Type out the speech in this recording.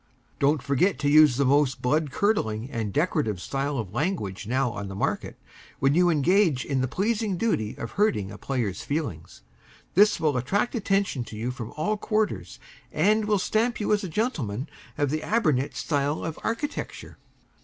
Don't forget to use the most blood curdling and decorative style of language now on the market when you engage in the pleasing duty of hurting a player's feelings. This will attract attention to you from all quarters, and will stamp you as a gentleman of the aber nit style of architecture.